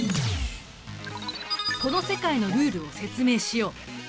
この世界のルールを説明しよう。